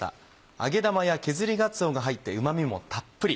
揚げ玉や削りがつおが入ってうま味もたっぷり。